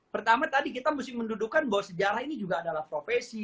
pertama tadi kita mesti mendudukan bahwa sejarah ini juga adalah profesi